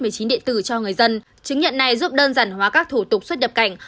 chứng điện tử cho người dân chứng nhận này giúp đơn giản hóa các thủ tục xuất nhập cảnh